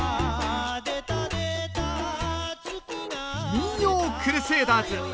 民謡クルセイダーズ。